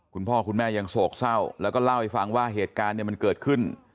คุณพ่อคุณแม่ยังโศกเศร้าแล้วก็เล่าให้ฟังว่าเหตุการณ์เนี่ยมันเกิดขึ้น